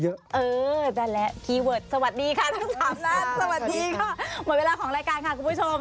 เออได้แล้วคีย์เวิร์ดสวัสดีค่ะทั้งสามนั้น